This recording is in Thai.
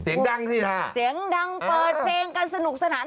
เสียงดังสิฮะเสียงดังเปิดเพลงกันสนุกสนาน